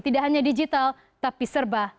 tidak hanya digital tapi serba